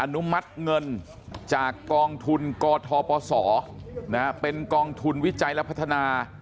อนุมัติเงินจากกองทุนกทปศเป็นกองทุนวิจัยและพัฒนา